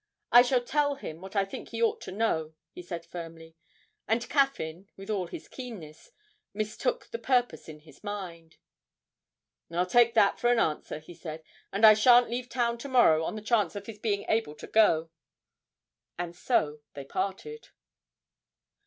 'I shall tell him what I think he ought to know,' he said firmly, and Caffyn, with all his keenness, mistook the purpose in his mind. 'I'll take that for an answer,' he said, 'and I shan't leave town to morrow on the chance of his being able to go.' And so they parted.